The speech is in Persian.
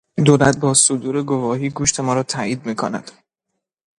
دولت با صدور گواهی گوشت ما را تایید میکند.